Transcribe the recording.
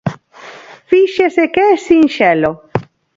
Fíxese que sinxelo.